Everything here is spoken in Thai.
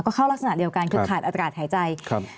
ก็เข้ารักษณะเดียวกันคือขาดอากาศหายใจครับ